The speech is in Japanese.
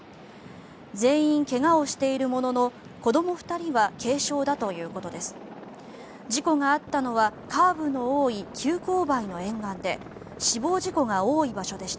全員怪我をしているものの子ども２人は軽傷だということです。